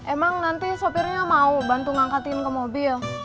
emang nanti sopirnya mau bantu ngangkatin ke mobil